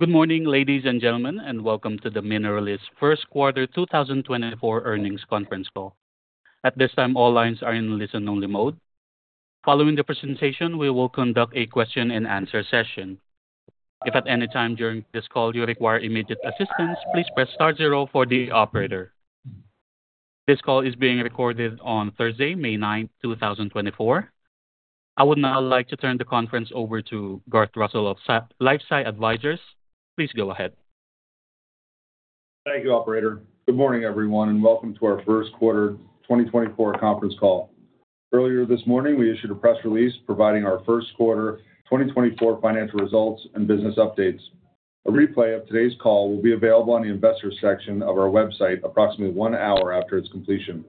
Good morning, ladies and gentlemen, and welcome to the Mineralys Q1 2024 Earnings Conference Call. At this time, all lines are in listen-only mode. Following the presentation, we will conduct a question-and-answer session. If at any time during this call you require immediate assistance, please press star zero for the operator. This call is being recorded on Thursday, May 9, 2024. I would now like to turn the conference over to Garth Russell of LifeSci Advisors. Please go ahead. Thank you, Operator. Good morning, everyone, and welcome to our Q1 2024 Conference Call. Earlier this morning, we issued a press release providing our Q1 2024 financial results and business updates. A replay of today's call will be available on the Investors section of our website approximately one hour after its completion.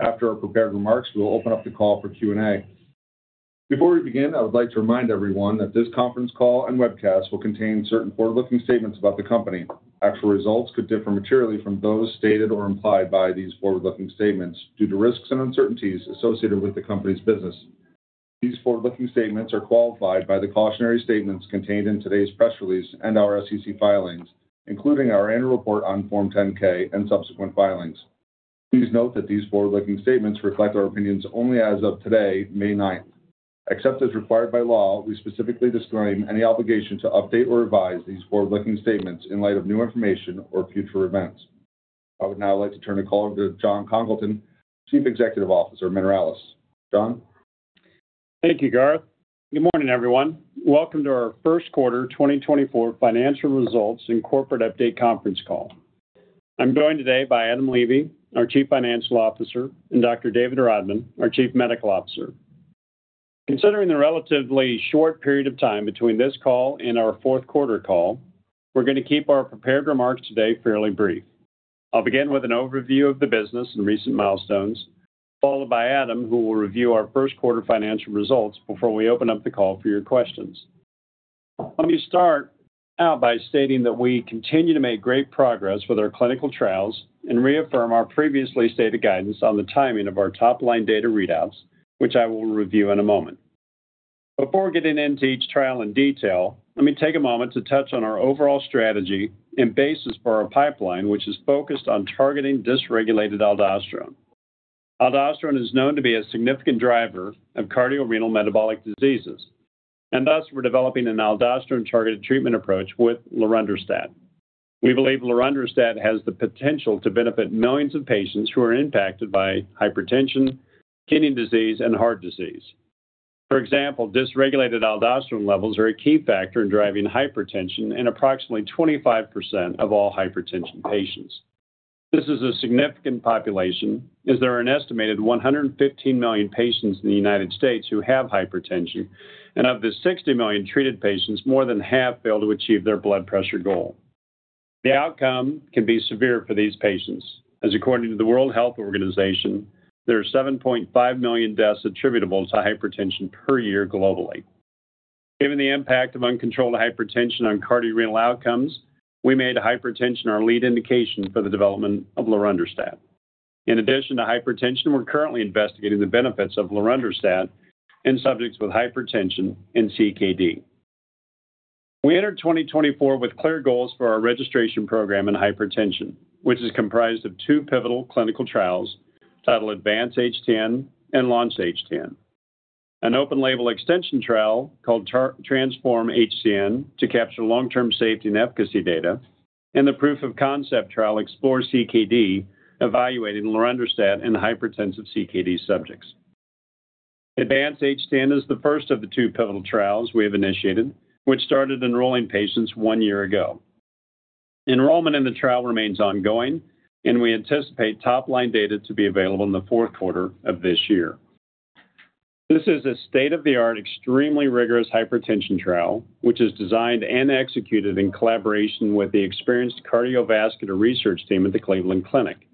After our prepared remarks, we will open up the call for Q&A. Before we begin, I would like to remind everyone that this conference call and webcast will contain certain forward-looking statements about the company. Actual results could differ materially from those stated or implied by these forward-looking statements due to risks and uncertainties associated with the company's business. These forward-looking statements are qualified by the cautionary statements contained in today's press release and our SEC filings, including our annual report on Form 10-K and subsequent filings. Please note that these forward-looking statements reflect our opinions only as of today, May 9. Except as required by law, we specifically disclaim any obligation to update or revise these forward-looking statements in light of new information or future events. I would now like to turn the call over to Jon Congleton, Chief Executive Officer Mineralys. Jon? Thank you, Garth. Good morning, everyone. Welcome to our Q1 2024 Financial Results and Corporate Update Conference Call. I'm joined today by Adam Levy, our Chief Financial Officer, and Dr. David Rodman, our Chief Medical Officer. Considering the relatively short period of time between this call and our Q4 call, we're going to keep our prepared remarks today fairly brief. I'll begin with an overview of the business and recent milestones, followed by Adam, who will review our Q1 Financial Results before we open up the call for your questions. Let me start out by stating that we continue to make great progress with our clinical trials and reaffirm our previously stated guidance on the timing of our top-line data readouts, which I will review in a moment. Before getting into each trial in detail, let me take a moment to touch on our overall strategy and basis for our pipeline, which is focused on targeting dysregulated aldosterone. Aldosterone is known to be a significant driver of cardiorenal metabolic diseases, and thus we're developing an aldosterone-targeted treatment approach with lorundrostat. We believe lorundrostat has the potential to benefit millions of patients who are impacted by hypertension, kidney disease, and heart disease. For example, dysregulated aldosterone levels are a key factor in driving hypertension in approximately 25% of all hypertension patients. This is a significant population, as there are an estimated 115 million patients in the United States who have hypertension, and of the 60 million treated patients, more than half fail to achieve their blood pressure goal. The outcome can be severe for these patients, as according to the World Health Organization, there are 7.5 million deaths attributable to hypertension per year globally. Given the impact of uncontrolled hypertension on cardiorenal outcomes, we made hypertension our lead indication for the development of lorundrostat. In addition to hypertension, we're currently investigating the benefits of lorundrostat in subjects with hypertension and CKD. We entered 2024 with clear goals for our registration program in hypertension, which is comprised of two pivotal clinical trials titled Advance-HTN and Launch-HTN. An open-label extension trial called Transform-HTN to capture long-term safety and efficacy data, and the proof-of-concept Explore-CKD, evaluating lorundrostat in hypertensive CKD subjects. Advance-HTN is the first of the two pivotal trials we have initiated, which started enrolling patients one year ago. Enrollment in the trial remains ongoing, and we anticipate top-line data to be available in the Q4 of this year. This is a state-of-the-art, extremely rigorous hypertension trial, which is designed and executed in collaboration with the experienced cardiovascular research team at the Cleveland Clinic.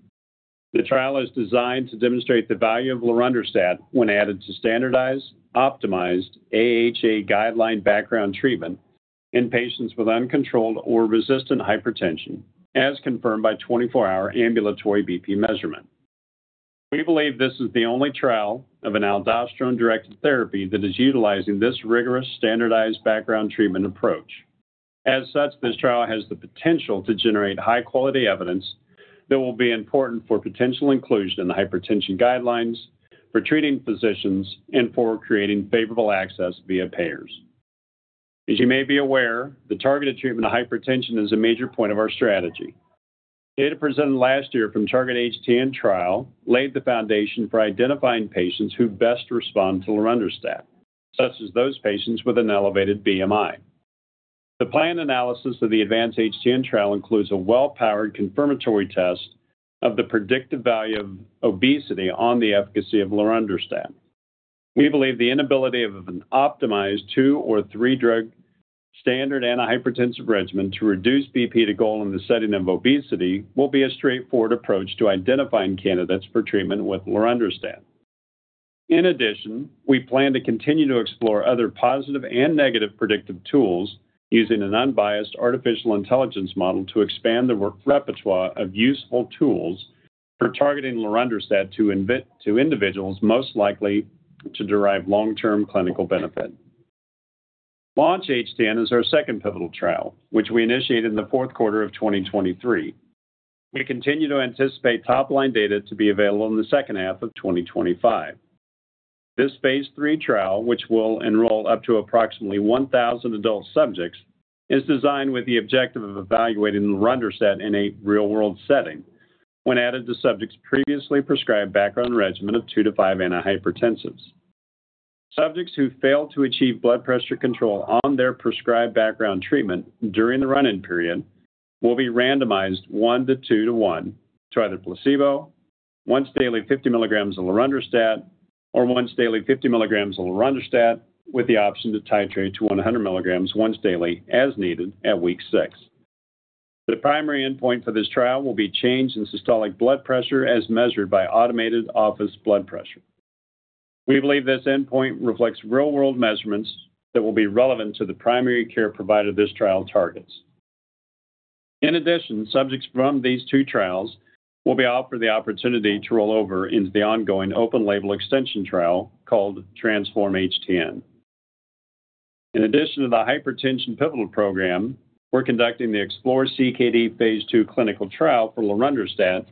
The trial is designed to demonstrate the value of lorundrostat when added to standardized, optimized AHA guideline background treatment in patients with uncontrolled or resistant hypertension, as confirmed by 24-hour ambulatory BP measurement. We believe this is the only trial of an aldosterone-directed therapy that is utilizing this rigorous standardized background treatment approach. As such, this trial has the potential to generate high-quality evidence that will be important for potential inclusion in the hypertension guidelines, for treating physicians, and for creating favorable access via payers. As you may be aware, the targeted treatment of hypertension is a major point of our strategy. Data presented last year from Target-HTN trial laid the foundation for identifying patients who best respond to lorundrostat, such as those patients with an elevated BMI. The planned analysis of the Advance-HTN trial includes a well-powered confirmatory test of the predictive value of obesity on the efficacy of lorundrostat. We believe the inability of an optimized two or three-drug standard antihypertensive regimen to reduce BP to goal in the setting of obesity will be a straightforward approach to identifying candidates for treatment with lorundrostat. In addition, we plan to continue to explore other positive and negative predictive tools using an unbiased artificial intelligence model to expand the repertoire of useful tools for targeting lorundrostat to individuals most likely to derive long-term clinical benefit. Launch-HTN is our second pivotal trial, which we initiated in the Q4 of 2023. We continue to anticipate top-line data to be available in the H2 of 2025. This phase 3 trial, which will enroll up to approximately 1,000 adult subjects, is designed with the objective of evaluating lorundrostat in a real-world setting when added to subjects' previously prescribed background regimen of two to five antihypertensives. Subjects who fail to achieve blood pressure control on their prescribed background treatment during the run-in period will be randomized one to two to one to either placebo, once daily 50 milligrams of lorundrostat, or once daily 50 milligrams of lorundrostat with the option to titrate to 100 milligrams once daily as needed at week six. The primary endpoint for this trial will be change in systolic blood pressure as measured by automated office blood pressure. We believe this endpoint reflects real-world measurements that will be relevant to the primary care provider this trial targets. In addition, subjects from these two trials will be offered the opportunity to roll over into the ongoing open-label extension trial called Transform-HTN. In addition to the hypertension pivotal program, we're conducting the Explore-CKD phase 2 clinical trial for lorundrostat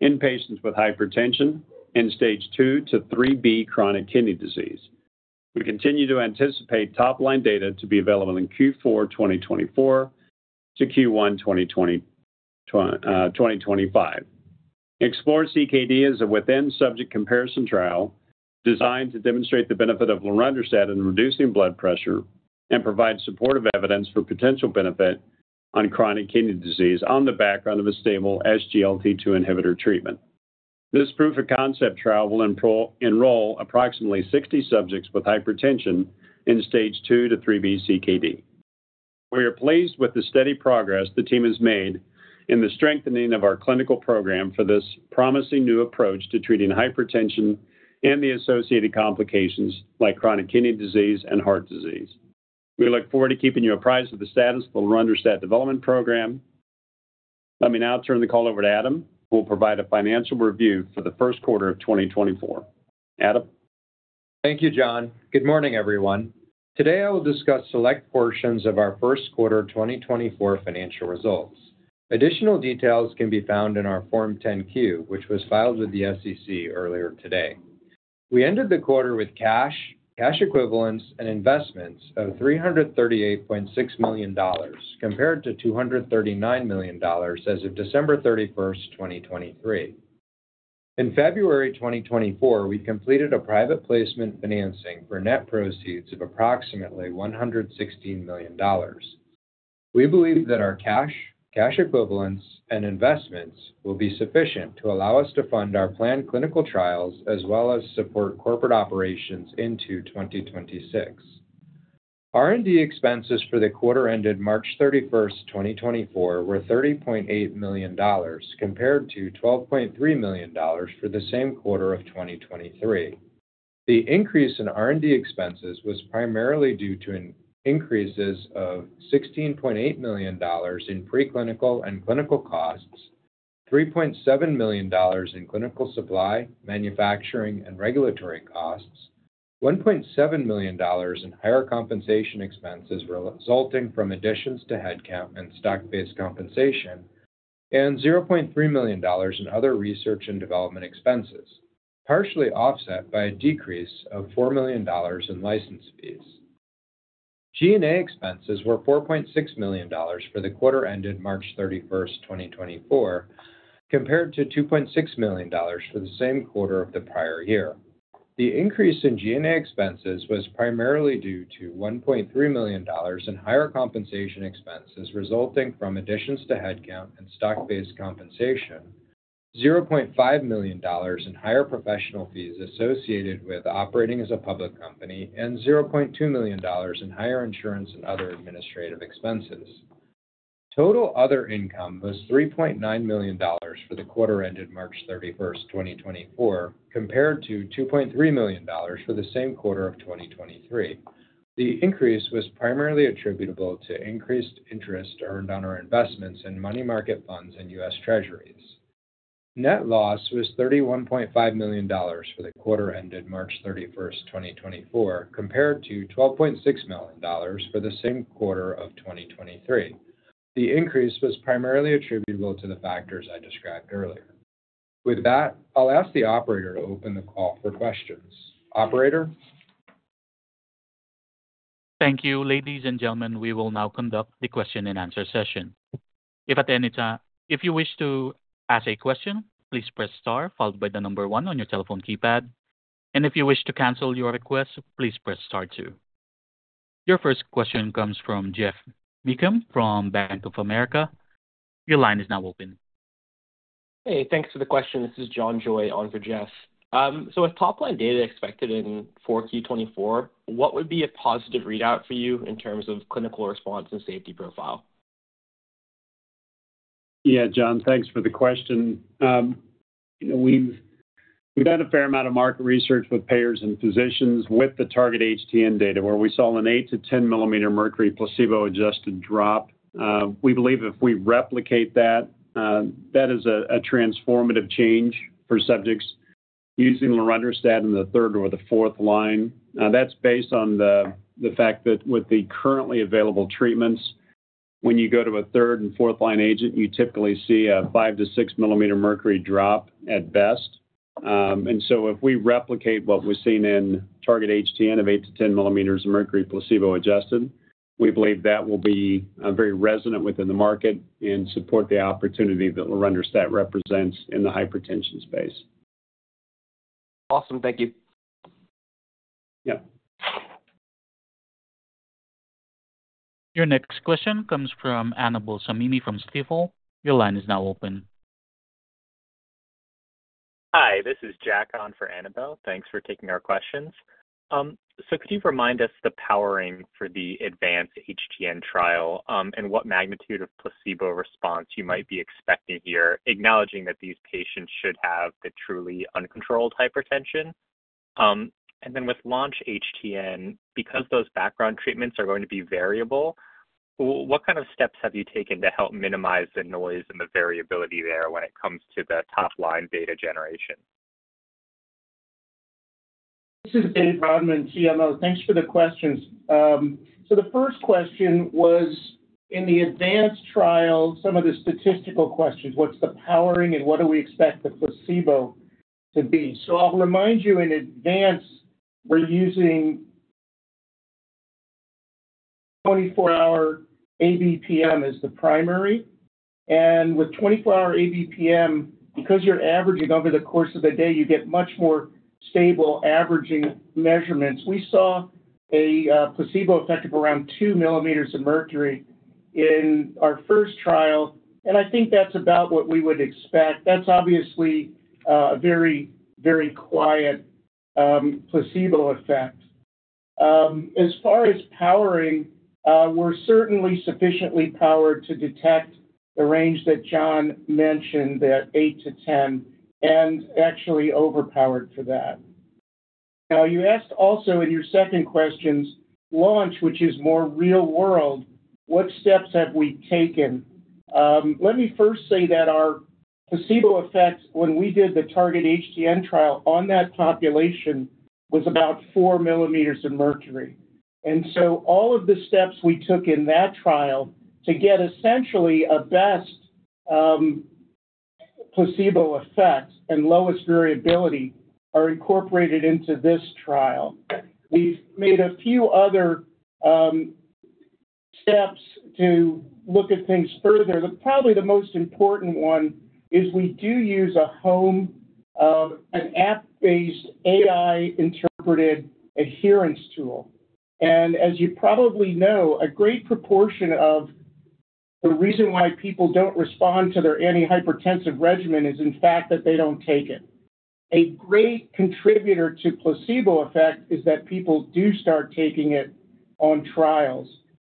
in patients with hypertension and stage II to IIIB chronic kidney disease. We continue to anticipate top-line data to be available in Q4 2024 to Q1 2025. Explore-CKD is a within-subject comparison trial designed to demonstrate the benefit of lorundrostat in reducing blood pressure and provide supportive evidence for potential benefit on chronic kidney disease on the background of a stable SGLT2 inhibitor treatment. This proof-of-concept trial will enroll approximately 60 subjects with hypertension and stage II to IIIB CKD. We are pleased with the steady progress the team has made in the strengthening of our clinical program for this promising new approach to treating hypertension and the associated complications like chronic kidney disease and heart disease. We look forward to keeping you apprised of the status of the lorundrostat development program. Let me now turn the call over to Adam, who will provide a financial review for the Q1 of 2024. Adam? Thank you, Jon. Good morning, everyone. Today, I will discuss select portions of our Q1 2024 financial results. Additional details can be found in our Form 10-Q, which was filed with the SEC earlier today. We ended the quarter with cash, cash equivalents, and investments of $338.6 million compared to $239 million as of December 31st, 2023. In February 2024, we completed a private placement financing for net proceeds of approximately $116 million. We believe that our cash, cash equivalents, and investments will be sufficient to allow us to fund our planned clinical trials as well as support corporate operations into 2026. R&D expenses for the quarter ended March 31st, 2024, were $30.8 million compared to $12.3 million for the same quarter of 2023. The increase in R&D expenses was primarily due to increases of $16.8 million in preclinical and clinical costs, $3.7 million in clinical supply, manufacturing, and regulatory costs, $1.7 million in higher compensation expenses resulting from additions to headcount and stock-based compensation, and $0.3 million in other research and development expenses, partially offset by a decrease of $4 million in license fees. G&A expenses were $4.6 million for the quarter ended March 31st, 2024, compared to $2.6 million for the same quarter of the prior year. The increase in G&A expenses was primarily due to $1.3 million in higher compensation expenses resulting from additions to headcount and stock-based compensation, $0.5 million in higher professional fees associated with operating as a public company, and $0.2 million in higher insurance and other administrative expenses. Total other income was $3.9 million for the quarter ended March 31st, 2024, compared to $2.3 million for the same quarter of 2023. The increase was primarily attributable to increased interest earned on our investments in money market funds and U.S. Treasuries. Net loss was $31.5 million for the quarter ended March 31st, 2024, compared to $12.6 million for the same quarter of 2023. The increase was primarily attributable to the factors I described earlier. With that, I'll ask the operator to open the call for questions. Operator? Thank you. Ladies and gentlemen, we will now conduct the question-and-answer session. If at any time if you wish to ask a question, please press star followed by the number one on your telephone keypad, and if you wish to cancel your request, please press star two. Your first question comes from Geoff Meacham from Bank of America. Your line is now open. Hey, thanks for the question. This is John Joy on for Geoff. So with top-line data expected in Q4 2024, what would be a positive readout for you in terms of clinical response and safety profile? Yeah, John, thanks for the question. We've done a fair amount of market research with payers and physicians with the Target-HTN data, where we saw an 8-10 mm of mercury placebo-adjusted drop. We believe if we replicate that, that is a transformative change for subjects using lorundrostat in the third or the fourth line. That's based on the fact that with the currently available treatments, when you go to a third and fourth-line agent, you typically see a 5-6 mm of mercury drop at best. And so if we replicate what we've seen in Target-HTN of 8-10 mm of mercury placebo-adjusted, we believe that will be very resonant within the market and support the opportunity that lorundrostat represents in the hypertension space. Awesome. Thank you. Yeah. Your next question comes from Annabel Samimy from Stifel. Your line is now open. Hi, this is Jack on for Annabel. Thanks for taking our questions. So could you remind us the powering for the Advance-HTN trial and what magnitude of placebo response you might be expecting here, acknowledging that these patients should have the truly uncontrolled hypertension? And then with Launch-HTN, because those background treatments are going to be variable, what kind of steps have you taken to help minimize the noise and the variability there when it comes to the top-line data generation? This is David Rodman, CMO. Thanks for the questions. So the first question was, in the Advance trial, some of the statistical questions, what's the powering and what do we expect the placebo to be? So I'll remind you, in Advance, we're using 24-hour ABPM as the primary. And with 24-hour ABPM, because you're averaging over the course of the day, you get much more stable averaging measurements. We saw a placebo effect of around 2 mm of mercury in our first trial, and I think that's about what we would expect. That's obviously a very, very quiet placebo effect. As far as powering, we're certainly sufficiently powered to detect the range that Jon mentioned, that 8-10, and actually overpowered for that. Now, you asked also in your second questions, Launch, which is more real-world, what steps have we taken? Let me first say that our placebo effect, when we did the Target-HTN trial on that population, was about 4 mm of mercury. And so all of the steps we took in that trial to get essentially a best placebo effect and lowest variability are incorporated into this trial. We've made a few other steps to look at things further. Probably the most important one is we do use an app-based AI-interpreted adherence tool. And as you probably know, a great proportion of the reason why people don't respond to their antihypertensive regimen is, in fact, that they don't take it. A great contributor to placebo effect is that people do start taking it on trials.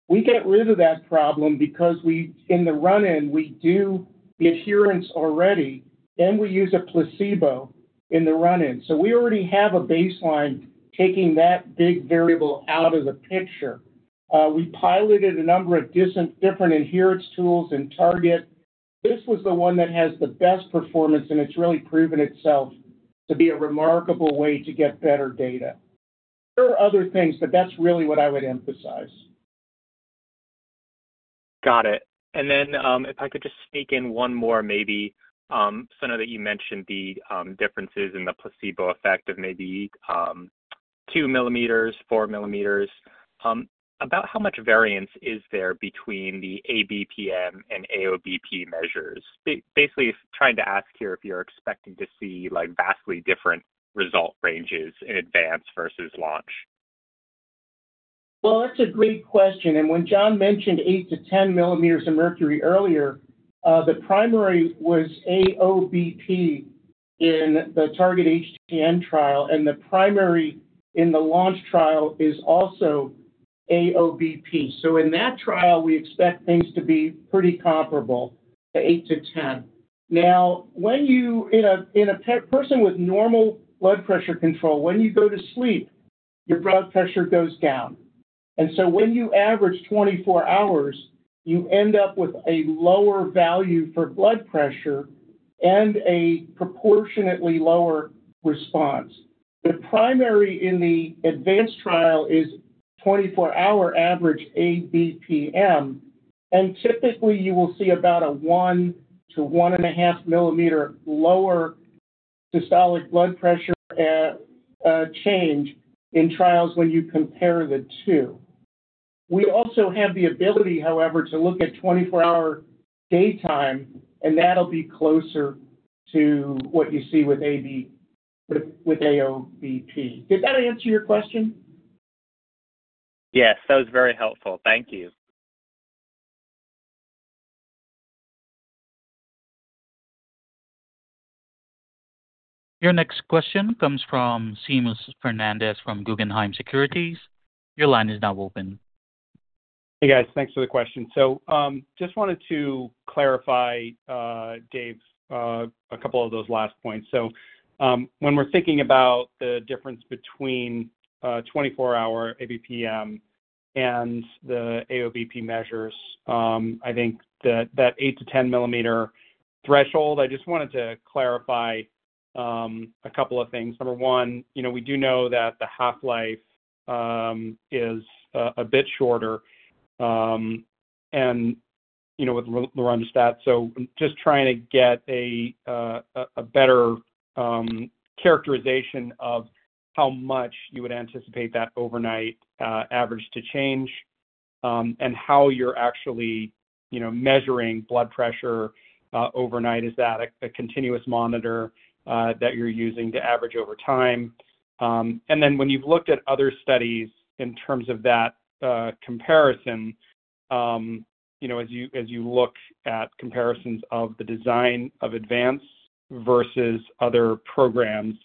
We get rid of that problem because, in the run-in, we do the adherence already, and we use a placebo in the run-in. We already have a baseline taking that big variable out of the picture. We piloted a number of different adherence tools in Target. This was the one that has the best performance, and it's really proven itself to be a remarkable way to get better data. There are other things, but that's really what I would emphasize. Got it. Then if I could just sneak in one more, maybe, so I know that you mentioned the differences in the placebo effect of maybe 2 mm, 4 mm. About how much variance is there between the ABPM and AOBP measures? Basically, trying to ask here if you're expecting to see vastly different result ranges in Advance versus Launch. Well, that's a great question. When Jon mentioned 8-10 mm of mercury earlier, the primary was AOBP in the Target-HTN trial, and the primary in the Launch-HTN trial is also AOBP. In that trial, we expect things to be pretty comparable to 8-10. Now, in a person with normal blood pressure control, when you go to sleep, your blood pressure goes down. So when you average 24 hours, you end up with a lower value for blood pressure and a proportionately lower response. The primary in the Advance-HTN trial is 24-hour average ABPM, and typically, you will see about a 1-1.5 mm lower systolic blood pressure change in trials when you compare the two. We also have the ability, however, to look at 24-hour daytime, and that'll be closer to what you see with AOBP. Did that answer your question? Yes, that was very helpful. Thank you. Your next question comes from Seamus Fernandez from Guggenheim Securities. Your line is now open. Hey, guys. Thanks for the question. So just wanted to clarify, Dave, a couple of those last points. So when we're thinking about the difference between 24-hour ABPM and the AOBP measures, I think that 8-10 mm threshold, I just wanted to clarify a couple of things. Number one, we do know that the half-life is a bit shorter with lorundrostat. So just trying to get a better characterization of how much you would anticipate that overnight average to change and how you're actually measuring blood pressure overnight. Is that a continuous monitor that you're using to average over time? Then when you've looked at other studies in terms of that comparison, as you look at comparisons of the design of Advance versus other programs,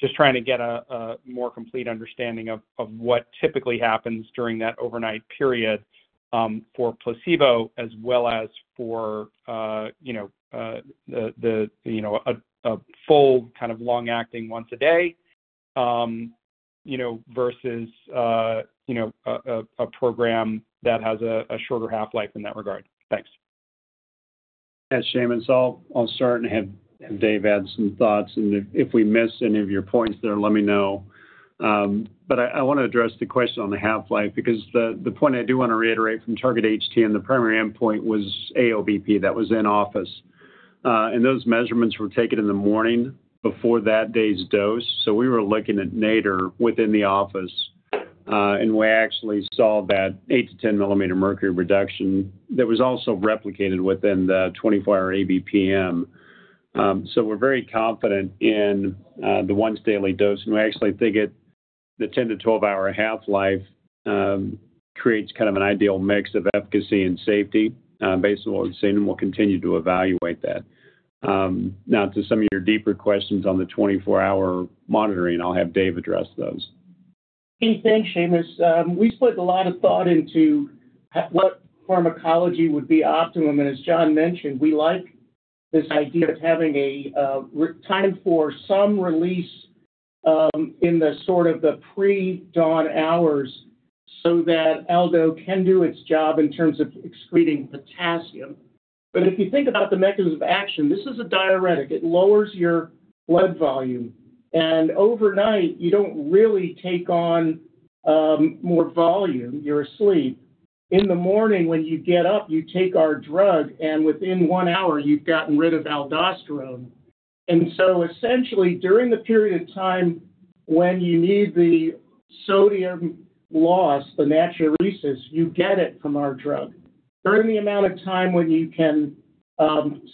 just trying to get a more complete understanding of what typically happens during that overnight period for placebo as well as for a full kind of long-acting once a day versus a program that has a shorter half-life in that regard. Thanks. Yes, Seamus. I'll start and have Dave add some thoughts. If we miss any of your points there, let me know. But I want to address the question on the half-life because the point I do want to reiterate from Target-HTN, the primary endpoint was AOBP that was in office. And those measurements were taken in the morning before that day's dose. So we were looking at nadir within the office, and we actually saw that 8-10 mm mercury reduction that was also replicated within the 24-hour ABPM. So we're very confident in the once-daily dose. And we actually think the 10-12-hour half-life creates kind of an ideal mix of efficacy and safety based on what we've seen, and we'll continue to evaluate that. Now, to some of your deeper questions on the 24-hour monitoring, I'll have Dave address those. Same thing, Seamus. We split a lot of thought into what pharmacology would be optimum. And as Jon mentioned, we like this idea of having a time for some release in sort of the pre-dawn hours so that Aldo can do its job in terms of excreting potassium. But if you think about the mechanism of action, this is a diuretic. It lowers your blood volume. And overnight, you don't really take on more volume. You're asleep. In the morning, when you get up, you take our drug, and within one hour, you've gotten rid of aldosterone. And so essentially, during the period of time when you need the sodium loss, the natural recess, you get it from our drug. During the amount of time when you can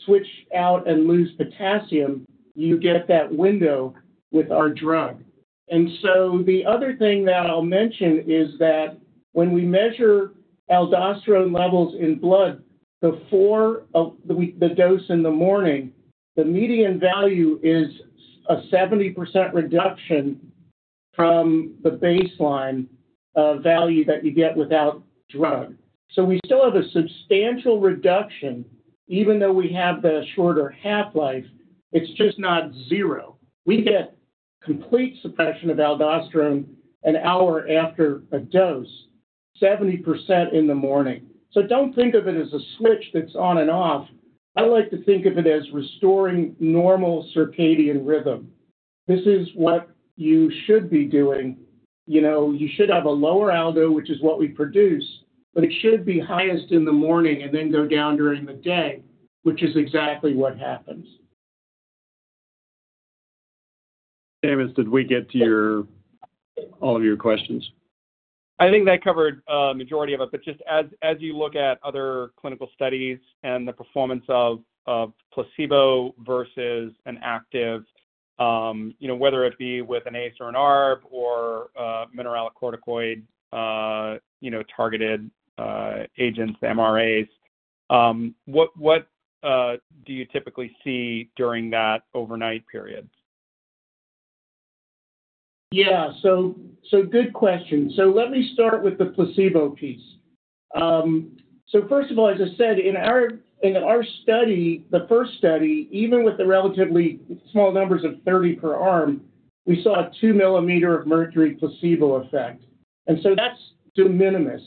switch out and lose potassium, you get that window with our drug. And so the other thing that I'll mention is that when we measure aldosterone levels in blood before the dose in the morning, the median value is a 70% reduction from the baseline value that you get without drug. So we still have a substantial reduction, even though we have the shorter half-life. It's just not zero. We get complete suppression of aldosterone an hour after a dose, 70% in the morning. So don't think of it as a switch that's on and off. I like to think of it as restoring normal circadian rhythm. This is what you should be doing. You should have a lower Aldo, which is what we produce, but it should be highest in the morning and then go down during the day, which is exactly what happens. Seamus, did we get to all of your questions? I think that covered a majority of it. But just as you look at other clinical studies and the performance of placebo versus an active, whether it be with an ACE or an ARB or mineralocorticoid targeted agents, the MRAs, what do you typically see during that overnight period? Yeah. So good question. So let me start with the placebo piece. So first of all, as I said, in our study, the first study, even with the relatively small numbers of 30 per arm, we saw a 2 mm mercury placebo effect. And so that's de minimis.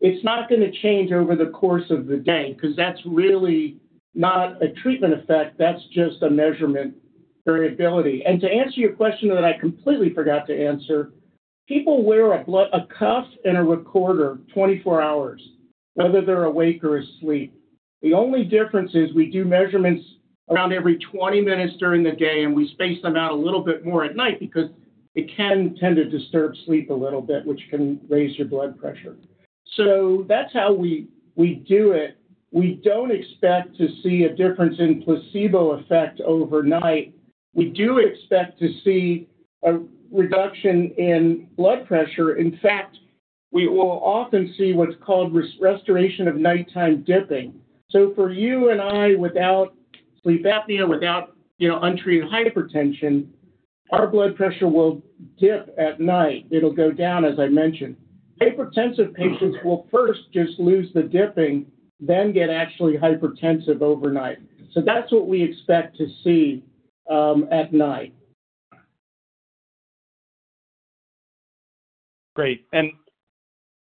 It's not going to change over the course of the day because that's really not a treatment effect. That's just a measurement variability. And to answer your question that I completely forgot to answer, people wear a cuff and a recorder 24 hours, whether they're awake or asleep. The only difference is we do measurements around every 20 minutes during the day, and we space them out a little bit more at night because it can tend to disturb sleep a little bit, which can raise your blood pressure. So that's how we do it. We don't expect to see a difference in placebo effect overnight. We do expect to see a reduction in blood pressure. In fact, we will often see what's called restoration of nighttime dipping. So for you and I, without sleep apnea, without untreated hypertension, our blood pressure will dip at night. It'll go down, as I mentioned. Hypertensive patients will first just lose the dipping, then get actually hypertensive overnight. So that's what we expect to see at night. Great. And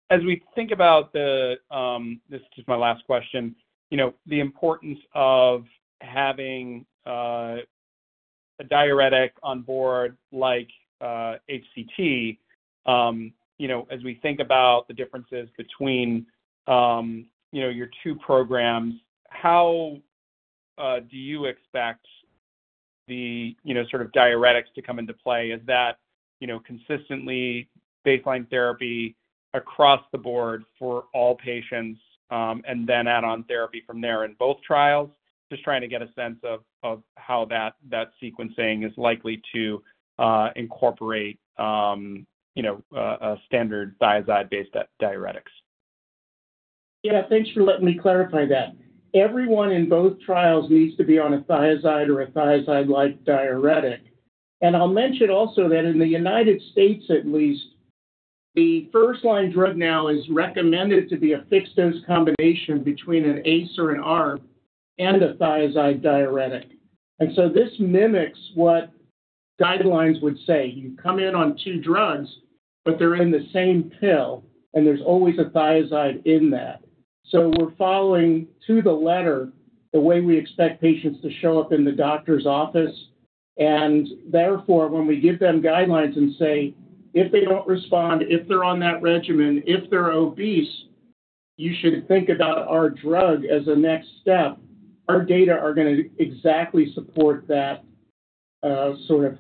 as we think about this is just my last question, the importance of having a diuretic on board like HCT, as we think about the differences between your two programs, how do you expect the sort of diuretics to come into play? Is that consistently baseline therapy across the board for all patients and then add-on therapy from there in both trials? Just trying to get a sense of how that sequencing is likely to incorporate standard thiazide-based diuretics. Yeah. Thanks for letting me clarify that. Everyone in both trials needs to be on a thiazide or a thiazide-like diuretic. And I'll mention also that in the United States, at least, the first-line drug now is recommended to be a fixed-dose combination between an ACE or an ARB and a thiazide diuretic. And so this mimics what guidelines would say. You come in on two drugs, but they're in the same pill, and there's always a thiazide in that. So we're following to the letter the way we expect patients to show up in the doctor's office. And therefore, when we give them guidelines and say, "If they don't respond, if they're on that regimen, if they're obese, you should think about our drug as a next step," our data are going to exactly support that sort of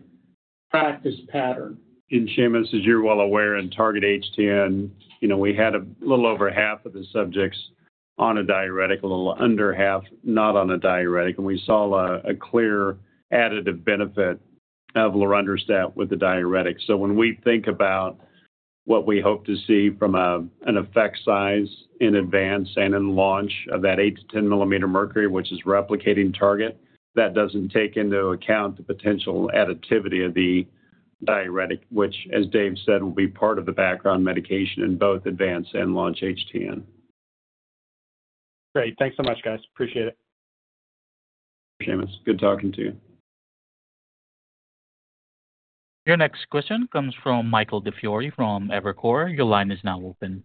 practice pattern. Seamus, as you're well aware, in Target-HTN, we had a little over half of the subjects on a diuretic, a little under half not on a diuretic. We saw a clear additive benefit of lorundrostat with the diuretic. When we think about what we hope to see from an effect size in Advance-HTN and in Launch-HTN of that 8-10 mm mercury, which is replicating Target-HTN, that doesn't take into account the potential additivity of the diuretic, which, as Dave said, will be part of the background medication in both Advance-HTN and Launch-HTN. Great. Thanks so much, guys. Appreciate it. Seamus, good talking to you. Your next question comes from Michael DiFiore from Evercore. Your line is now open.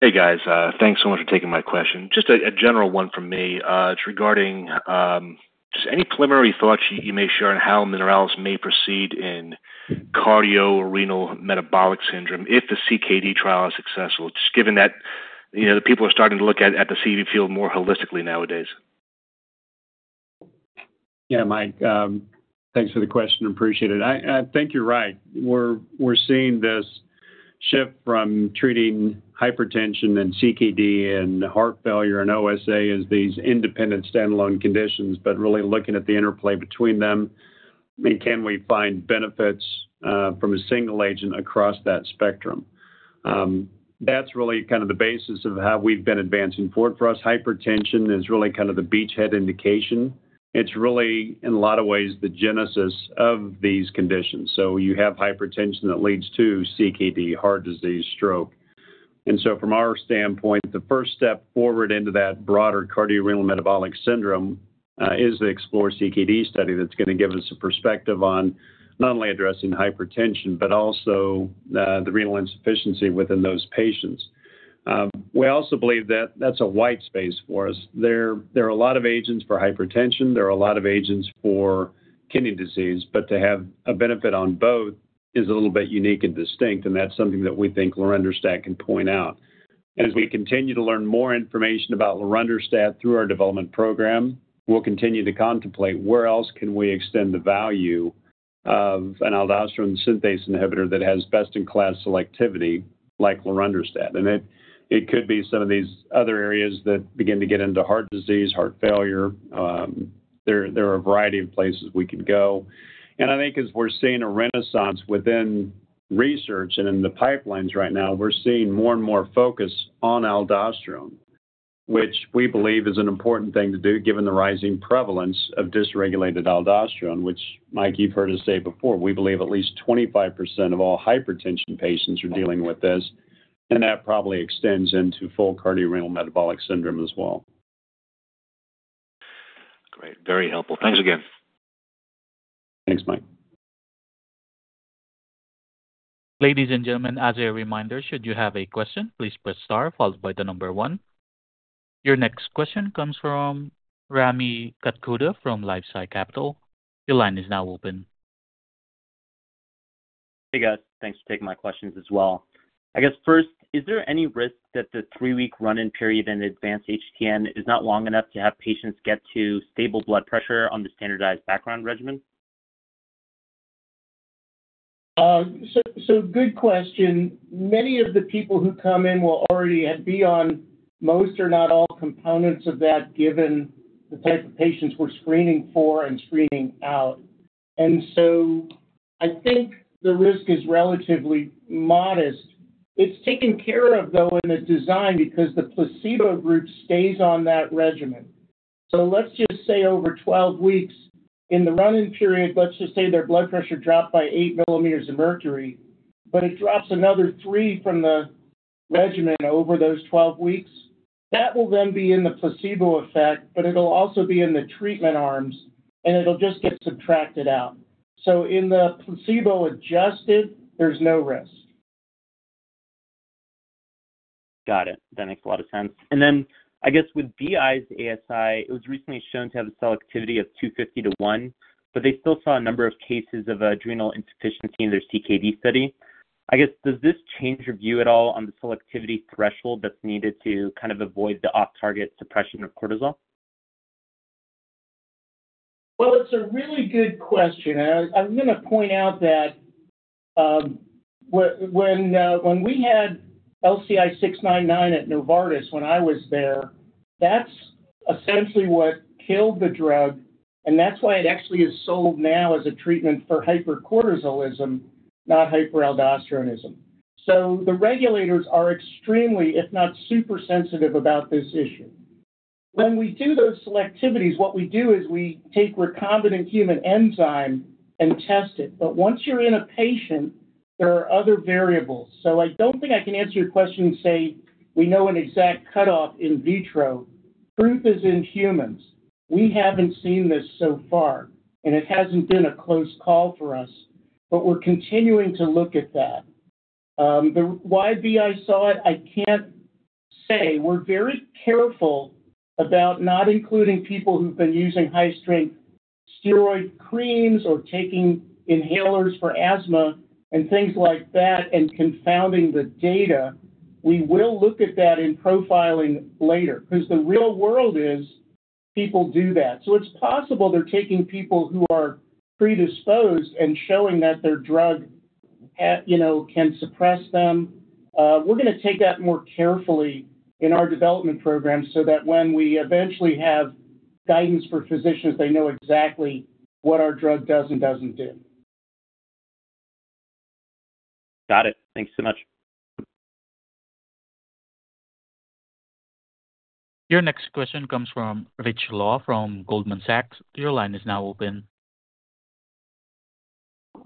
Hey, guys. Thanks so much for taking my question. Just a general one from me. It's regarding just any preliminary thoughts you may share on how Mineralys may proceed in cardiorenal metabolic syndrome if the CKD trial is successful, just given that the people are starting to look at the CV field more holistically nowadays. Yeah, Mike, thanks for the question. Appreciate it. I think you're right. We're seeing this shift from treating hypertension and CKD and heart failure and OSA as these independent standalone conditions, but really looking at the interplay between them, and can we find benefits from a single agent across that spectrum? That's really kind of the basis of how we've been advancing forward. For us, hypertension is really kind of the beachhead indication. It's really, in a lot of ways, the genesis of these conditions. So you have hypertension that leads to CKD, heart disease, stroke. And so from our standpoint, the first step forward into that broader cardiorenal metabolic syndrome is the Explore CKD study that's going to give us a perspective on not only addressing hypertension but also the renal insufficiency within those patients. We also believe that that's a white space for us. There are a lot of agents for hypertension. There are a lot of agents for kidney disease. But to have a benefit on both is a little bit unique and distinct. That's something that we think lorundrostat can point out. As we continue to learn more information about lorundrostat through our development program, we'll continue to contemplate where else can we extend the value of an aldosterone synthase inhibitor that has best-in-class selectivity like lorundrostat. It could be some of these other areas that begin to get into heart disease, heart failure. There are a variety of places we can go. I think as we're seeing a renaissance within research and in the pipelines right now, we're seeing more and more focus on aldosterone, which we believe is an important thing to do given the rising prevalence of dysregulated aldosterone, which, Mike, you've heard us say before, we believe at least 25% of all hypertension patients are dealing with this. That probably extends into full cardiorenal metabolic syndrome as well. Great. Very helpful. Thanks again. Thanks, Mike. Ladies and gentlemen, as a reminder, should you have a question, please press star followed by the number one. Your next question comes from Rami Katkhuda from LifeSci Capital. Your line is now open. Hey, guys. Thanks for taking my questions as well. I guess first, is there any risk that the three-week run-in period in Advance-HTN is not long enough to have patients get to stable blood pressure on the standardized background regimen? So, good question. Many of the people who come in will already be on most or not all components of that given the type of patients we're screening for and screening out. And so I think the risk is relatively modest. It's taken care of, though, in the design because the placebo group stays on that regimen. So let's just say over 12 weeks, in the run-in period, let's just say their blood pressure dropped by 8 mm of mercury, but it drops another three from the regimen over those 12 weeks. That will then be in the placebo effect, but it'll also be in the treatment arms, and it'll just get subtracted out. So in the placebo-adjusted, there's no risk. Got it. That makes a lot of sense. And then I guess with BI's ASI, it was recently shown to have a selectivity of 250:1, but they still saw a number of cases of adrenal insufficiency in their CKD study. I guess, does this change your view at all on the selectivity threshold that's needed to kind of avoid the off-target suppression of cortisol? Well, it's a really good question. I'm going to point out that when we had LCI-699 at Novartis when I was there, that's essentially what killed the drug. That's why it actually is sold now as a treatment for hypercortisolism, not hyperaldosteronism. The regulators are extremely, if not super sensitive, about this issue. When we do those selectivities, what we do is we take recombinant human enzyme and test it. Once you're in a patient, there are other variables. I don't think I can answer your question and say we know an exact cutoff in vitro. Truth is in humans. We haven't seen this so far, and it hasn't been a close call for us, but we're continuing to look at that. The why BI saw it, I can't say. We're very careful about not including people who've been using high-strength steroid creams or taking inhalers for asthma and things like that and confounding the data. We will look at that in profiling later because the real world is people do that. So it's possible they're taking people who are predisposed and showing that their drug can suppress them. We're going to take that more carefully in our development program so that when we eventually have guidance for physicians, they know exactly what our drug does and doesn't do. Got it. Thanks so much. Your next question comes from Rich Law from Goldman Sachs. Your line is now open.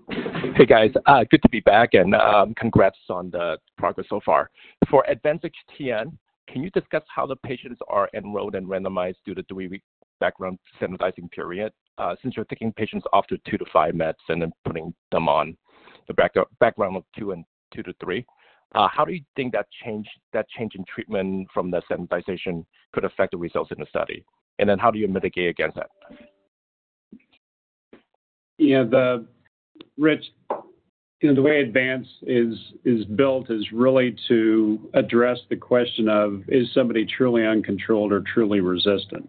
Hey, guys. Good to be back, and congrats on the progress so far. For Advance-HTN, can you discuss how the patients are enrolled and randomized due to the three-week background standardizing period since you're taking patients off two to five meds and then putting them on the background of two to three? How do you think that change in treatment from the standardization could affect the results in the study? And then how do you mitigate against that? Yeah. Rich, the way Advance is built is really to address the question of, "Is somebody truly uncontrolled or truly resistant?"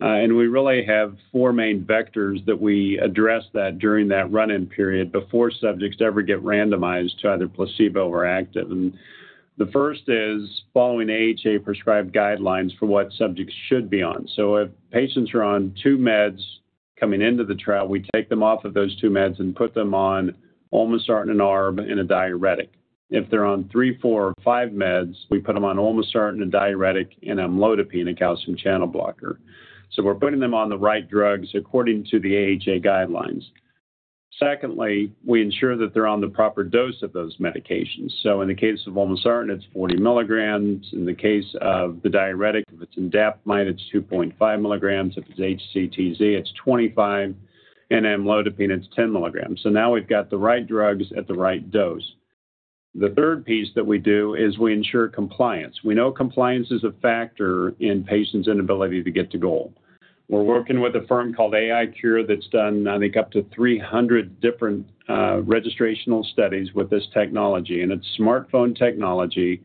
And we really have four main vectors that we address that during that run-in period before subjects ever get randomized to either placebo or active. And the first is following AHA-prescribed guidelines for what subjects should be on. So if patients are on two meds coming into the trial, we take them off of those two meds and put them on olmesartan and ARB and a diuretic. If they're on three, four, or five meds, we put them on olmesartan, a diuretic, and amlodipine, a calcium channel blocker. So we're putting them on the right drugs according to the AHA guidelines. Secondly, we ensure that they're on the proper dose of those medications. So in the case of olmesartan, it's 40 mg. In the case of the diuretic, if it's indapamide, it's 2.5 mg. If it's HCTZ, it's 25. And amlodipine, it's 10 mg. So now we've got the right drugs at the right dose. The third piece that we do is we ensure compliance. We know compliance is a factor in patients' inability to get to goal. We're working with a firm called AiCure that's done, I think, up to 300 different registrational studies with this technology. And it's smartphone technology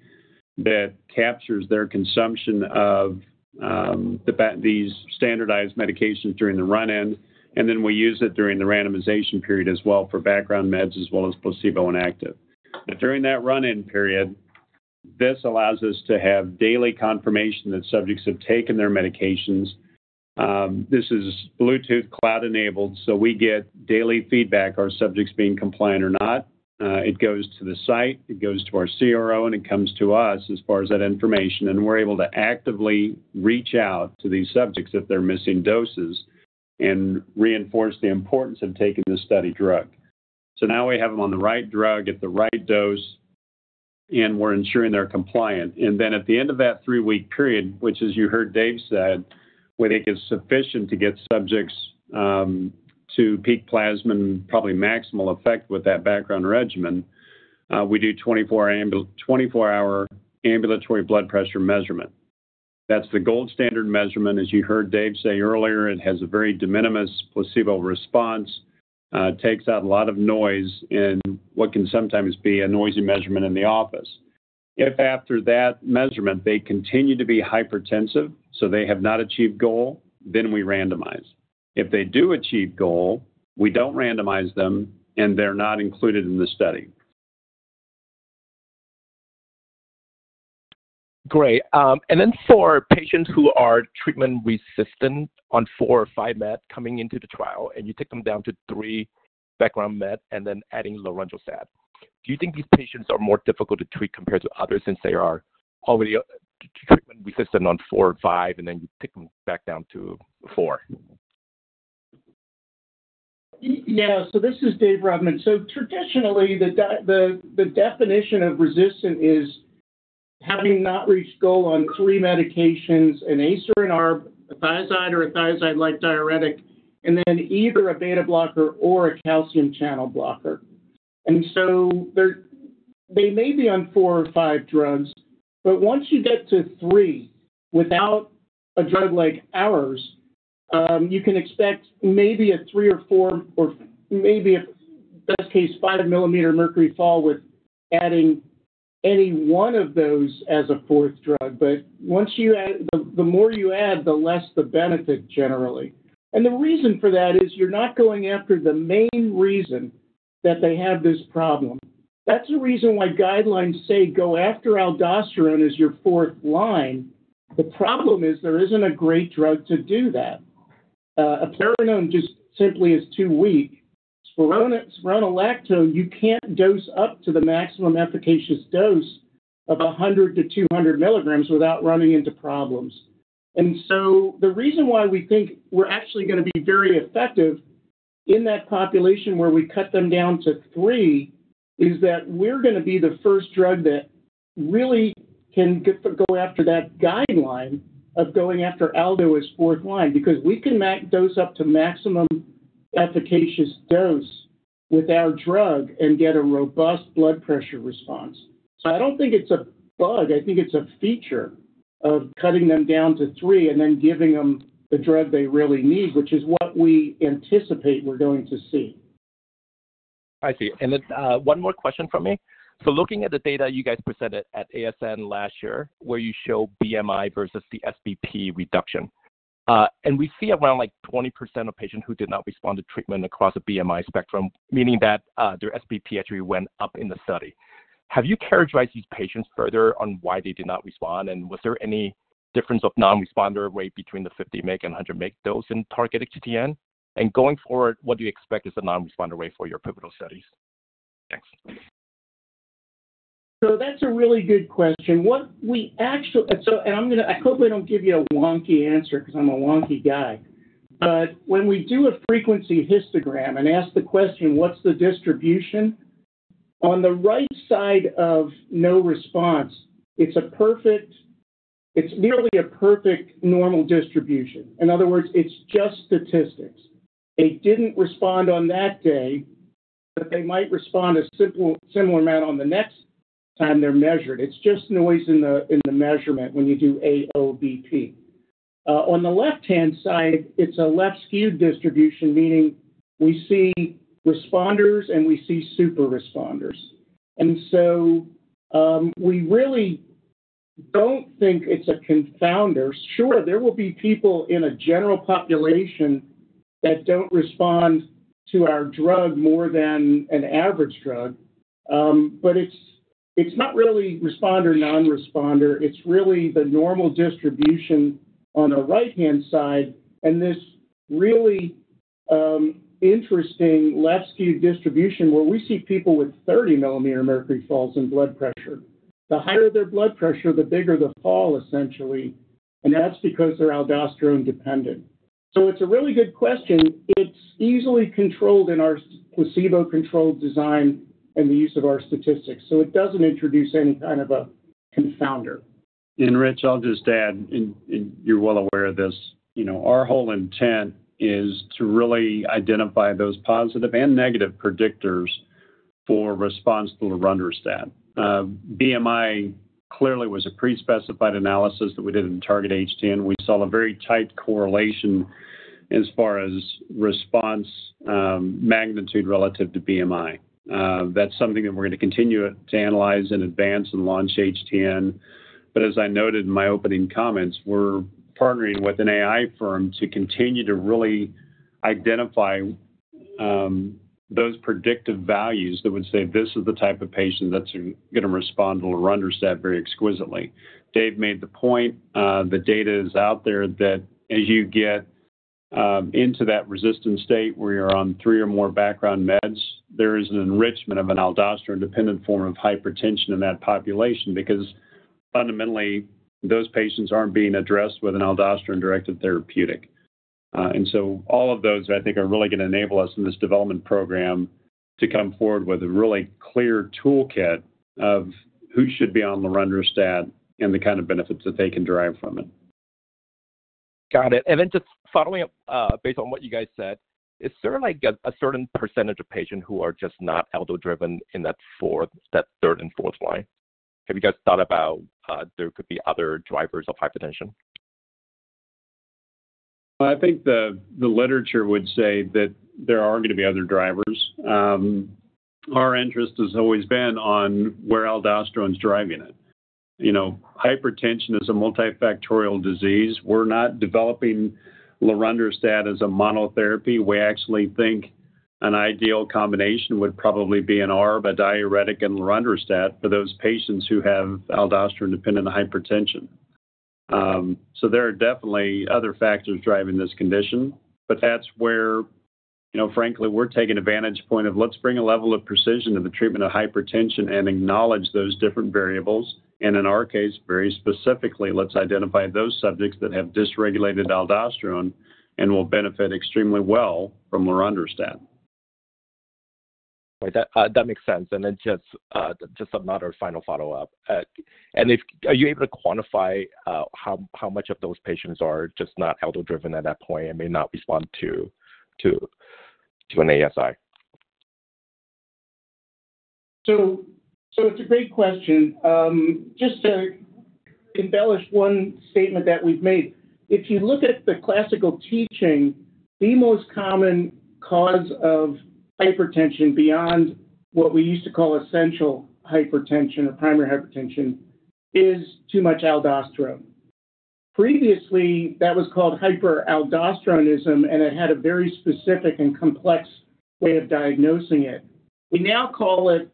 that captures their consumption of these standardized medications during the run-in. And then we use it during the randomization period as well for background meds as well as placebo and active. But during that run-in period, this allows us to have daily confirmation that subjects have taken their medications. This is Bluetooth cloud-enabled, so we get daily feedback, are subjects being compliant or not. It goes to the site. It goes to our CRO, and it comes to us as far as that information. And we're able to actively reach out to these subjects if they're missing doses and reinforce the importance of taking this study drug. So now we have them on the right drug at the right dose, and we're ensuring they're compliant. And then at the end of that three-week period, which is, you heard Dave said, we think it's sufficient to get subjects to peak plasma and probably maximal effect with that background regimen, we do 24-hour ambulatory blood pressure measurement. That's the gold standard measurement. As you heard Dave say earlier, it has a very de minimis placebo response, takes out a lot of noise, and what can sometimes be a noisy measurement in the office. If after that measurement, they continue to be hypertensive, so they have not achieved goal, then we randomize. If they do achieve goal, we don't randomize them, and they're not included in the study. Great. And then for patients who are treatment-resistant on four or five meds coming into the trial, and you take them down to three background meds and then adding lorundrostat, do you think these patients are more difficult to treat compared to others since they are already treatment-resistant on four or five, and then you take them back down to four? Yeah. So this is David Rodman. So traditionally, the definition of resistant is having not reached goal on three medications: an ACE or an ARB, a thiazide or a thiazide-like diuretic, and then either a beta-blocker or a calcium channel blocker. And so they may be on four or five drugs, but once you get to three without a drug like ours, you can expect maybe a three or four or maybe, best case, 5 mm mercury fall with adding any one of those as a fourth drug. But once you add, the more you add, the less the benefit, generally. And the reason for that is you're not going after the main reason that they have this problem. That's the reason why guidelines say go after aldosterone as your fourth line. The problem is there isn't a great drug to do that. Eplerenone just simply is too weak. Spironolactone, you can't dose up to the maximum efficacious dose of 100-200 mg without running into problems. And so the reason why we think we're actually going to be very effective in that population where we cut them down to three is that we're going to be the first drug that really can go after that guideline of going after Aldo as fourth line because we can dose up to maximum efficacious dose with our drug and get a robust blood pressure response. So I don't think it's a bug. I think it's a feature of cutting them down to three and then giving them the drug they really need, which is what we anticipate we're going to see. I see. And then one more question from me. So looking at the data you guys presented at ASN last year, where you show BMI versus the SBP reduction, and we see around like 20% of patients who did not respond to treatment across a BMI spectrum, meaning that their SBP actually went up in the study. Have you characterized these patients further on why they did not respond? And was there any difference of non-responder rate between the 50 mg and 100 mg dose in Target-HTN? And going forward, what do you expect is a non-responder rate for your pivotal studies? Thanks. So that's a really good question. And I'm going to I hope I don't give you a wonky answer because I'm a wonky guy. But when we do a frequency histogram and ask the question, "What's the distribution?" on the right side of no response, it's nearly a perfect normal distribution. In other words, it's just statistics. They didn't respond on that day, but they might respond a similar amount on the next time they're measured. It's just noise in the measurement when you do AOBP. On the left-hand side, it's a left-skewed distribution, meaning we see responders, and we see super responders. And so we really don't think it's a confounder. Sure, there will be people in a general population that don't respond to our drug more than an average drug, but it's not really responder-non-responder. It's really the normal distribution on the right-hand side. And this really interesting left-skewed distribution where we see people with 30 mm mercury falls in blood pressure. The higher their blood pressure, the bigger the fall, essentially. And that's because they're aldosterone-dependent. So it's a really good question. It's easily controlled in our placebo-controlled design and the use of our statistics. So it doesn't introduce any kind of a confounder. And Rich, I'll just add, and you're well aware of this, our whole intent is to really identify those positive and negative predictors for response to lorundrostat. BMI clearly was a prespecified analysis that we did in Target-HTN. We saw a very tight correlation as far as response magnitude relative to BMI. That's something that we're going to continue to analyze in Advance-HTN and Launch-HTN. But as I noted in my opening comments, we're partnering with an AI firm to continue to really identify those predictive values that would say, "This is the type of patient that's going to respond to lorundrostat very exquisitely." Dave made the point. The data is out there that as you get into that resistant state where you're on three or more background meds, there is an enrichment of an aldosterone-dependent form of hypertension in that population because fundamentally, those patients aren't being addressed with an aldosterone-directed therapeutic. And so all of those, I think, are really going to enable us in this development program to come forward with a really clear toolkit of who should be on lorundrostat and the kind of benefits that they can derive from it. Got it. And then just following up based on what you guys said, is there a certain percentage of patients who are just not Aldo-driven in that third and fourth line? Have you guys thought about there could be other drivers of hypertension? Well, I think the literature would say that there are going to be other drivers. Our interest has always been on where aldosterone's driving it. Hypertension is a multifactorial disease. We're not developing lorundrostat as a monotherapy. We actually think an ideal combination would probably be an ARB, a diuretic, and lorundrostat for those patients who have aldosterone-dependent hypertension. So there are definitely other factors driving this condition. But that's where, frankly, we're taking advantage of the point of, "Let's bring a level of precision to the treatment of hypertension and acknowledge those different variables." And in our case, very specifically, let's identify those subjects that have dysregulated aldosterone and will benefit extremely well from lorundrostat. Right. That makes sense. And then just another final follow-up. And are you able to quantify how much of those patients are just not Aldo-driven at that point and may not respond to an ASI? So it's a great question. Just to embellish one statement that we've made, if you look at the classical teaching, the most common cause of hypertension beyond what we used to call essential hypertension or primary hypertension is too much aldosterone. Previously, that was called hyperaldosteronism, and it had a very specific and complex way of diagnosing it. We now call it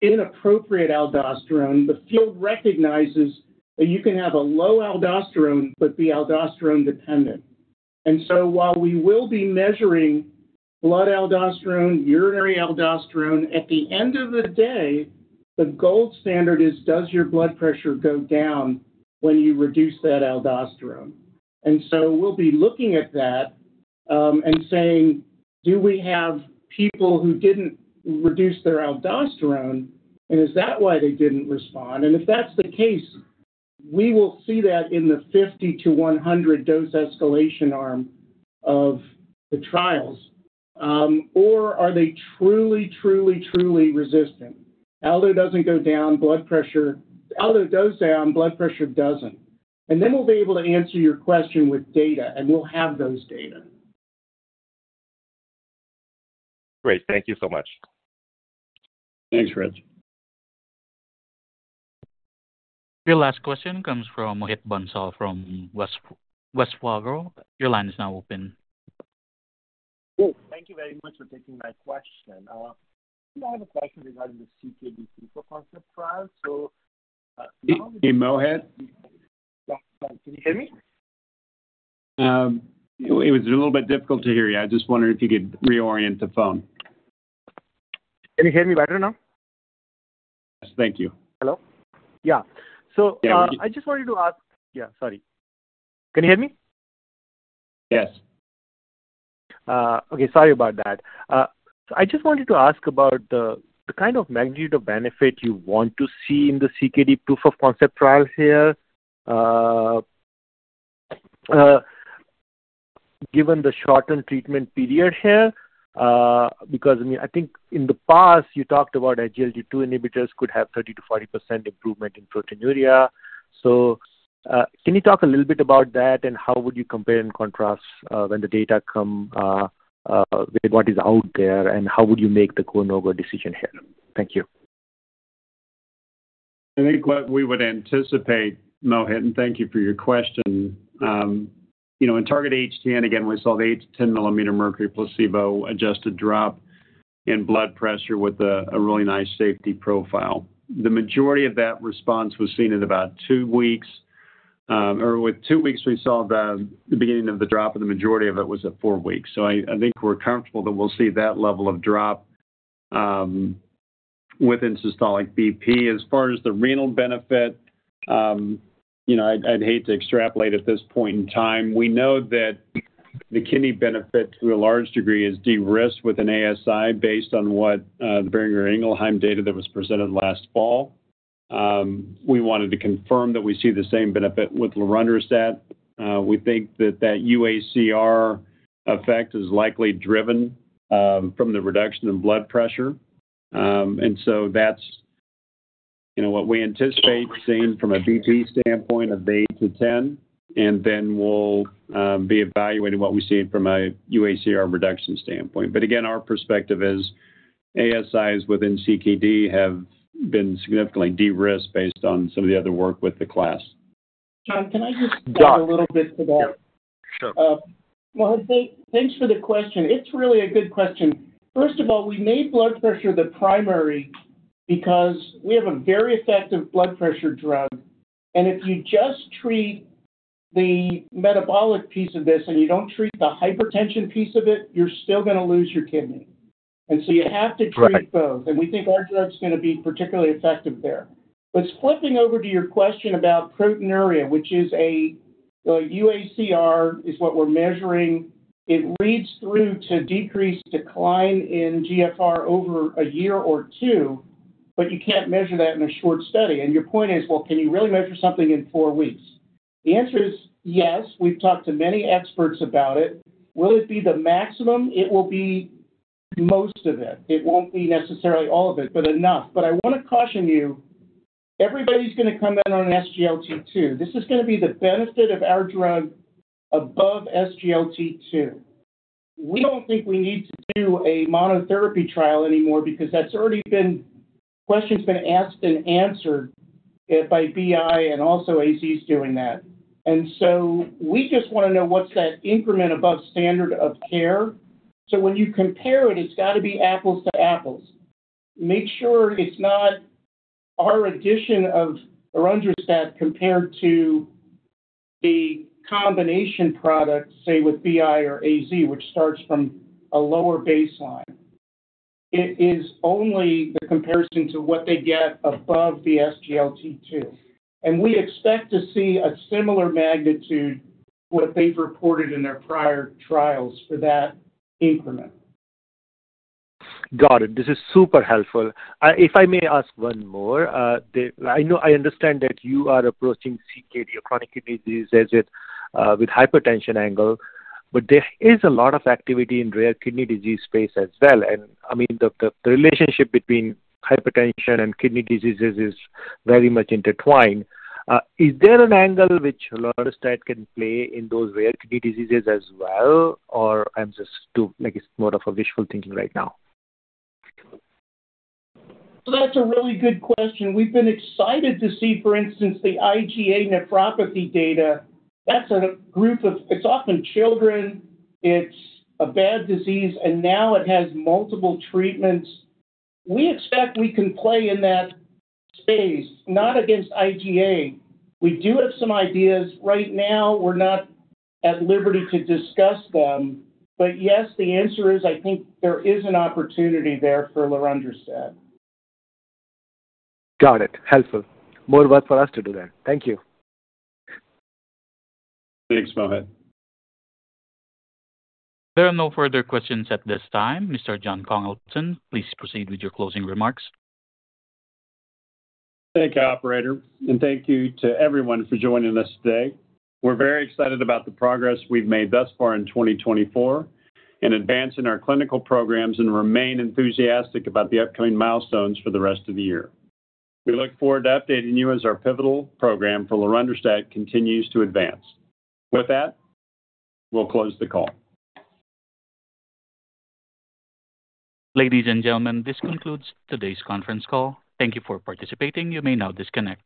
inappropriate aldosterone. The field recognizes that you can have a low aldosterone but be aldosterone-dependent. While we will be measuring blood aldosterone, urinary aldosterone, at the end of the day, the gold standard is, "Does your blood pressure go down when you reduce that aldosterone?" We'll be looking at that and saying, "Do we have people who didn't reduce their aldosterone, and is that why they didn't respond?" If that's the case, we will see that in the 50-100-dose escalation arm of the trials. Or are they truly, truly, truly resistant? Aldo doesn't go down. Blood pressure. Aldo does down. Blood pressure doesn't. Then we'll be able to answer your question with data, and we'll have those data. Great. Thank you so much. Thanks, Rich. Your last question comes from Mohit Bansal from Wells Fargo. Your line is now open. Thank you very much for taking my question. I have a question regarding the CKD proof of concept trial. So now. Hey, Mohit. Can you hear me? It was a little bit difficult to hear. Yeah. I just wondered if you could reorient the phone? Can you hear me better now? Yes. Thank you. Hello? Yeah. So I just wanted to ask, yeah. Sorry. Can you hear me? Yes. Okay. Sorry about that. I just wanted to ask about the kind of magnitude of benefit you want to see in the CKD proof of concept trial here given the shortened treatment period here because, I mean, I think in the past, you talked about SGLT2 inhibitors could have 30%-40% improvement in proteinuria. So can you talk a little bit about that, and how would you compare and contrast when the data come with what is out there, and how would you make the go/no-go decision here? Thank you. I think what we would anticipate, Mohit, and thank you for your question. In Target-HTN, again, we saw the 8-10 mm mercury placebo-adjusted drop in blood pressure with a really nice safety profile. The majority of that response was seen in about two weeks. Or with two weeks, we saw the beginning of the drop, and the majority of it was at four weeks. So I think we're comfortable that we'll see that level of drop within systolic BP. As far as the renal benefit, I'd hate to extrapolate at this point in time. We know that the kidney benefit, to a large degree, is de-risked with an ASI based on what the Boehringer Ingelheim data that was presented last fall. We wanted to confirm that we see the same benefit with lorundrostat. We think that that UACR effect is likely driven from the reduction in blood pressure. That's what we anticipate seeing from a BP standpoint of 8-10. Then we'll be evaluating what we see from a UACR reduction standpoint. Again, our perspective is ASIs within CKD have been significantly de-risked based on some of the other work with the class. John, can I just add a little bit to that? Sure. Mohit, thanks for the question. It's really a good question. First of all, we made blood pressure the primary because we have a very effective blood pressure drug. And if you just treat the metabolic piece of this and you don't treat the hypertension piece of it, you're still going to lose your kidney. And so you have to treat both. And we think our drug's going to be particularly effective there. But flipping over to your question about proteinuria, which is a UACR is what we're measuring. It reads through to decreased decline in GFR over a year or two, but you can't measure that in a short study. And your point is, "Well, can you really measure something in four weeks?" The answer is yes. We've talked to many experts about it. Will it be the maximum? It will be most of it. It won't be necessarily all of it but enough. But I want to caution you, everybody's going to come in on SGLT2. This is going to be the benefit of our drug above SGLT2. We don't think we need to do a monotherapy trial anymore because that's already been questions been asked and answered by BI and also AZ doing that. And so we just want to know what's that increment above standard of care. So when you compare it, it's got to be apples to apples. Make sure it's not our addition of lorundrostat compared to the combination product, say, with BI or AZ, which starts from a lower baseline. It is only the comparison to what they get above the SGLT2. And we expect to see a similar magnitude to what they've reported in their prior trials for that increment. Got it. This is super helpful. If I may ask one more, I understand that you are approaching CKD, chronic kidney disease, with hypertension angle, but there is a lot of activity in rare kidney disease space as well. And I mean, the relationship between hypertension and kidney diseases is very much intertwined. Is there an angle which lorundrostat can play in those rare kidney diseases as well, or I'm just too it's more of a wishful thinking right now? So that's a really good question. We've been excited to see, for instance, the IgA nephropathy data. That's a group of. It's often children. It's a bad disease, and now it has multiple treatments. We expect we can play in that space, not against IgA. We do have some ideas. Right now, we're not at liberty to discuss them. But yes, the answer is I think there is an opportunity there for lorundrostat. Got it. Helpful. More work for us to do then. Thank you. Thanks, Mohit. There are no further questions at this time. Mr. Jon Congleton, please proceed with your closing remarks. Thank you, operator. Thank you to everyone for joining us today. We're very excited about the progress we've made thus far in 2024 and advancing our clinical programs and remain enthusiastic about the upcoming milestones for the rest of the year. We look forward to updating you as our pivotal program for lorundrostat continues to advance. With that, we'll close the call. Ladies and gentlemen, this concludes today's conference call. Thank you for participating. You may now disconnect.